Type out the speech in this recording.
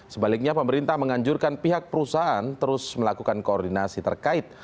sebaliknya pemerintah menganjurkan pihak perusahaan terus melakukan koordinasi terkait